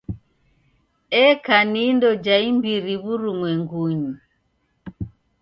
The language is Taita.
Eka ni indo ja imbiri w'urumwengunyi.